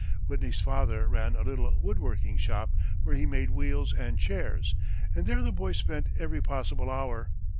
Whitney's father ran a little wood working shop where he made wheels and chairs, and there the boy spent every possible hour.